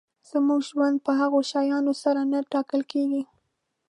زموږ ژوند په هغو شیانو سره نه ټاکل کېږي.